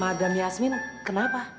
madam yasmin kenapa